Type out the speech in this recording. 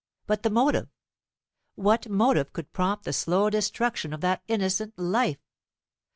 But the motive? What motive could prompt the slow destruction of that innocent life?